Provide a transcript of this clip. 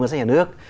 ngân sách nhà nước